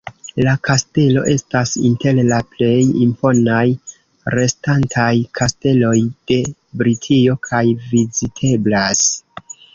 La kastelo estas inter la plej imponaj restantaj kasteloj de Britio, kaj viziteblas.